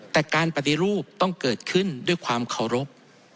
แต่การปฏิรูปต้องเกิดขึ้นด้วยความเคารพ